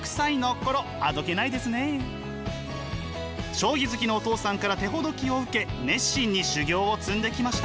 将棋好きのお父さんから手ほどきを受け熱心に修業を積んできました。